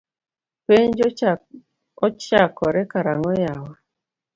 Penj ochakore karang’o yawa?